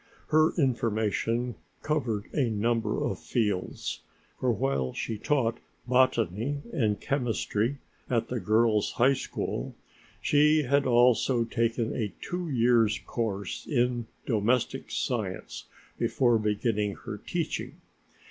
Her information covered a number of fields, for while she taught botany and chemistry at the Girls' High School, she had also taken a two years' course in domestic science before beginning her teaching.